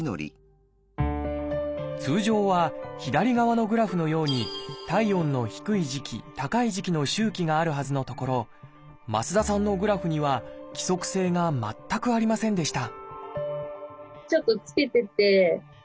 通常は左側のグラフのように体温の低い時期高い時期の周期があるはずのところ増田さんのグラフには規則性が全くありませんでした